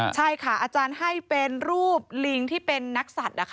ใช่ค่ะอาจารย์ให้เป็นรูปลิงที่เป็นนักสัตว์นะคะ